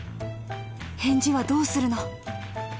返事はどうするの？